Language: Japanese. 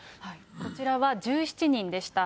こちらは、１７人でした。